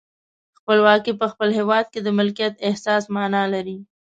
خپلواکي په خپل هیواد کې د مالکیت احساس معنا لري.